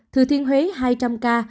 thừa thiên huế hai ca